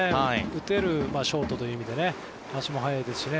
打てるショートという意味で足も速いですしね。